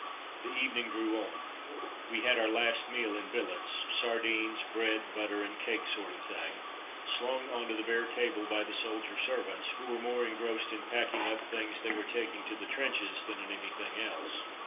The evening drew on. We had our last meal in billets sardines, bread, butter and cake sort of thing slung on to the bare table by the soldier servants, who were more engrossed in packing up things they were taking to the trenches than in anything else.